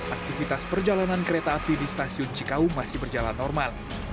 aktivitas perjalanan kereta api di stasiun cikaung masih berjalan normal